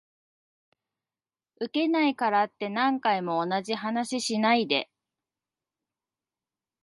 ウケないからって何回も同じ話しないで